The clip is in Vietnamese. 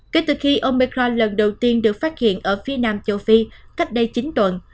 kể từ khi omicron lần đầu tiên được phát hiện ở phía nam châu phi cách đây chín tuần